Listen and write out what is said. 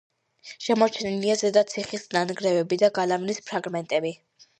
შემორჩენილია ზედა ციხის ნანგრევები და გალავნის ფრაგმენტები.